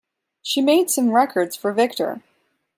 She made some records for Victor.